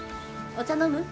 お茶飲む？